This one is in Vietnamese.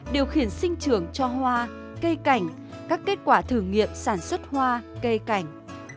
điều khiển sinh trưởng cho hoa cây cành các kết quả thử nghiệm sản xuất hoa cây cành